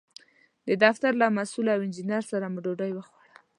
د دفتر له مسوول او انجینر سره مو ډوډۍ وخوړه.